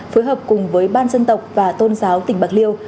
phối hợp cùng với ban dân tộc và tôn giáo tỉnh bạc liêu